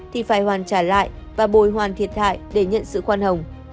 thì phải hoàn trả lại và bồi hoàn thiệt hại để nhận sự khoan hồng